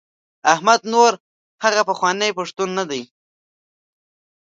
احمد نور هغه پخوانی پښتون نه دی.